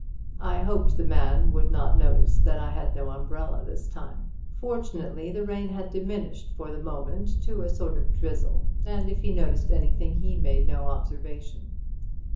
I hoped the man would not notice that I had no umbrella this time. Fortunately the rain had diminished for the moment to a sort of drizzle, and if he noticed anything he made no observation.